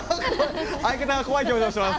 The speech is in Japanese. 相方が怖い表情してます。